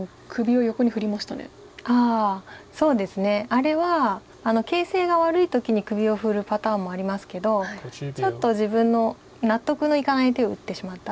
あれは形勢が悪い時に首を振るパターンもありますけどちょっと自分の納得のいかない手を打ってしまった。